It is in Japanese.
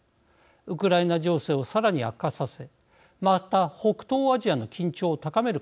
ウクライナ情勢をさらに悪化させまた北東アジアの緊張を高めるからです。